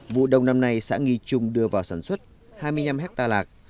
hôm nay xã nghi trung đưa vào sản xuất hai mươi năm ha lạc